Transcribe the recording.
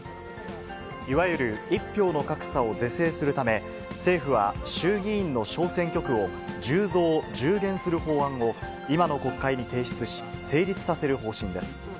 いわゆる１票の格差を是正するため、政府は衆議院の小選挙区を１０増１０減する法案を、今の国会に提出し、成立させる方針です。